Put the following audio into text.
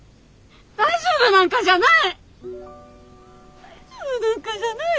大丈夫なんかじゃない。